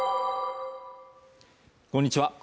こんにちは